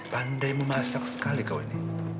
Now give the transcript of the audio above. pandai memasak sekali kau ini